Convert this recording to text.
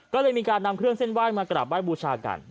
ก็เลยมีการนำเครื่องเส้นไหว้มากราบไห้บูชากัน